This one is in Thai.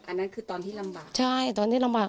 อันนั้นคือตอนที่ลำบากใช่ตอนนี้ลำบาก